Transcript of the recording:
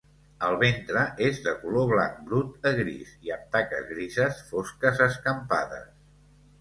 El ventre és de color blanc brut a gris i amb taques grises fosques escampades.